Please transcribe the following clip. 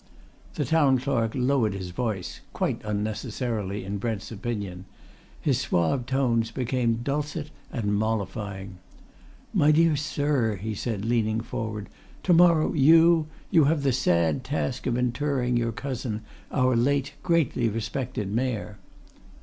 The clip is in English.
The Town Clerk lowered his voice quite unnecessarily in Brent's opinion. His suave tones became dulcet and mollifying. "My dear sir," he said, leaning forward, "to morrow you you have the sad task of interring your cousin, our late greatly respected Mayor."